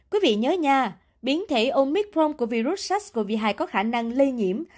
quý vị nhớ nha biến thể omicron của virus sars cov hai có khả năng lây nhiễm